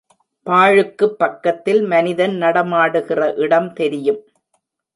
பாழுக்குப் பக்கத்தில் மனிதன் நடமாடுகிற இடம் தெரியும்.